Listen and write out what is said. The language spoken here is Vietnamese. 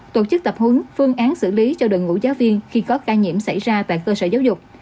tổ chức tập hướng phương án xử lý cho đội ngũ giáo viên khi có ca nhiễm xảy ra tại cơ sở giáo dục